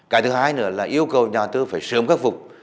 cái thứ hai nữa là yêu cầu nhà đầu tư phải sớm khắc phục